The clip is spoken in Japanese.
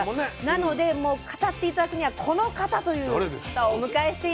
なのでもう語って頂くにはこの方という方をお迎えしています。